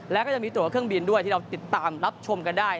แล้วก็ยังมีตัวเครื่องบินด้วยที่เราติดตามรับชมกันได้